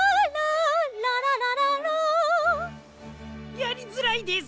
やりづらいです！